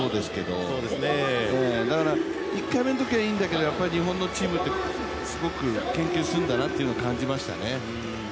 だから、１回目のときはいいんだけど日本のチームすごく研究するんだなというのを感じましたね。